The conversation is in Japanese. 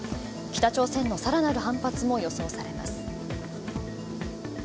北朝鮮の更なる反発も予想されます。